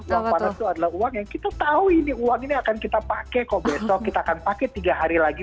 uang panas itu adalah uang yang kita tahu ini uang ini akan kita pakai kok besok kita akan pakai tiga hari lagi